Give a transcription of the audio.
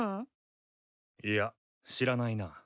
いや知らないな。